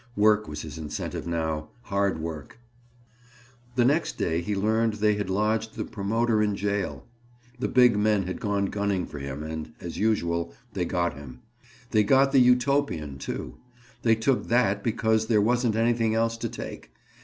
Work was his incentive now—hard work— The next day he learned they had lodged the promoter in jail. The big men had gone gunning for him, and, as usual, they got him. They got the "Utopian," too. They took that because there wasn't anything else to take.